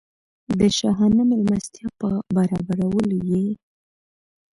د شاهانه مېلمستیا په برابرولو یې.